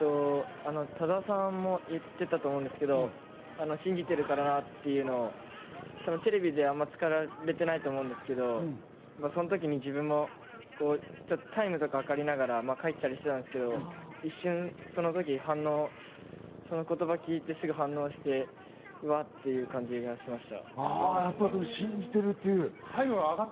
田澤さんも言ってたと思うんですけど、信じてるからな！っていうのをテレビではあんまり使われていないと思うんですけど、その時に自分もタイムとか計りながら、書いてたりしてたですけど、一瞬その時、その言葉を聞いてすぐ反応して、うわっ！っていう感じでした。